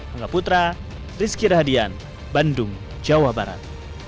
angka putra rizky radian bandung jawa barat